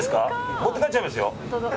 持って帰っちゃいますよ。